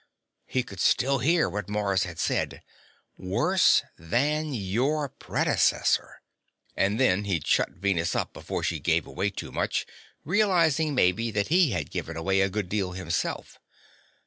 He could still hear what Mars had said: "... worse than your predecessor." And then he'd shut Venus up before she gave away too much realizing, maybe, that he had given away a good deal himself.